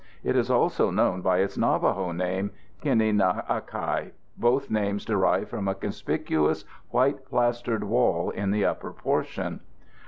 It is also known by its Navajo name, Kini na e kai. Both names derive from a conspicuous white plastered wall in the upper portion.